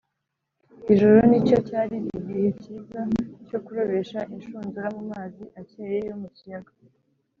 ijoro nicyo cyari igihe cyiza cyo kurobesha inshundura mu mazi akeye yo mu kiyaga